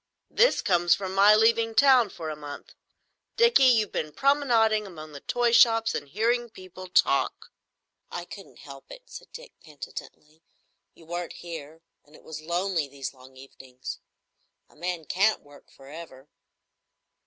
"'This comes of my leaving town for a month. Dickie, you've been promenading among the toy shops and hearing people talk." "I couldn't help it," said Dick, penitently. "You weren't here, and it was lonely these long evenings. A man can't work for ever."